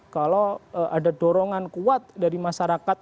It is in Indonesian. kalau ada dorongan kuat dari masyarakat